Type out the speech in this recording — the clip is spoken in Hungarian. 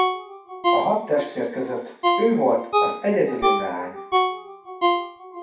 A hat testvér között ő volt az egyedüli leány.